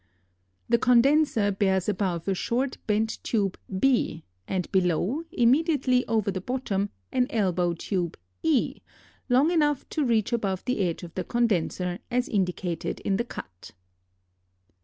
The condenser bears above a short bent tube b, and below, immediately over the bottom, an elbow tube e, long enough to reach above the edge of the condenser, as indicated in the cut.